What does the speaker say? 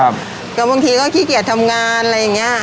บางทีก็ขี้เกียจทำงานอะไรอีกเนี่ยค่ะ